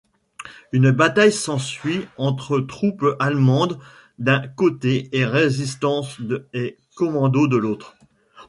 Une bataille s'ensuit entre troupes allemandes d'un côté et résistance et commando de l'autre.